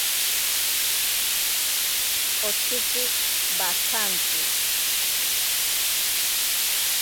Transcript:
Otsitzi watsanti.